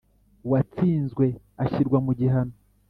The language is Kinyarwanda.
uwatsinzwe ashyirwa mu gihano